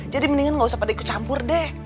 jadi mendingan gak usah pada ikut campur deh